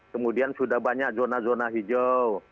kemudian sudah banyak zona zona hijau